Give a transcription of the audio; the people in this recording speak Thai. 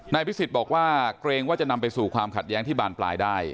พิสิทธิ์บอกว่าเกรงว่าจะนำไปสู่ความขัดแย้งที่บานปลายได้